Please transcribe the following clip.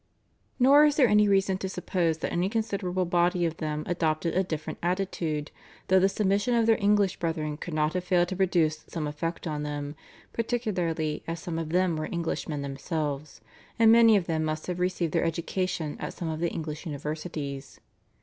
Nor is there any reason to suppose that any considerable body of them adopted a different attitude, though the submission of their English brethren could not have failed to produce some effect on them, particularly as some of them were Englishmen themselves, and many of them must have received their education at some of the English universities.